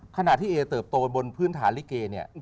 ขณะที่เอเติบโตบนพื้นฐานลิเกเนี่ย